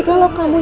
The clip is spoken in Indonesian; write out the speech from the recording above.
aku mau ke mandi